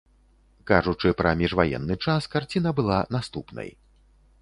Кажучы пра міжваенны час, карціна была наступнай.